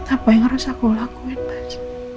apa yang harus aku lakuin pak